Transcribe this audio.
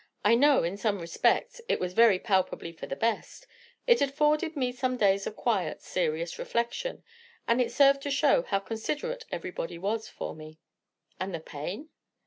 I know, in some respects, it was very palpably for the best. It afforded me some days of quiet, serious reflection, and it served to show how considerate everybody was for me." "And the pain?"